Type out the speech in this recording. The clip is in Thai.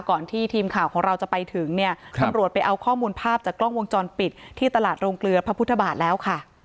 ก่อนที่ทีมข่าวของเราจะไปถึงเนี่ยตำรวจไปเอาข้อมูลภาพจากกล้องวงจรปิดที่ตลาดโรงเกลือพระพุทธบาทแล้วค่ะ